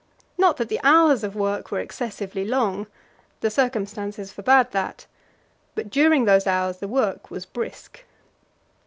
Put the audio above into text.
Not that the hours of work were excessively long, the circumstances forbade that. But during those hours the work was brisk.